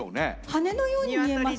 羽のように見えます。